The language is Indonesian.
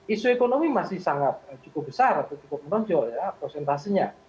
isu ekonomi masih sangat cukup besar atau cukup menonjol ya prosentasenya